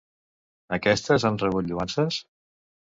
Aquestes han rebut lloances?